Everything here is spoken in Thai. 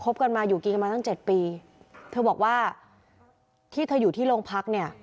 กันมาอยู่กินกันมาตั้งเจ็ดปีเธอบอกว่าที่เธออยู่ที่โรงพักเนี่ย